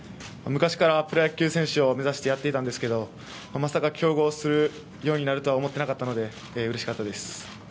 昔からプロ野球選手を目指してやっていたんですけどもまさか競合するようになるとは思ってなかったのでうれしかったです。